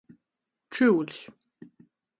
Čyuļs.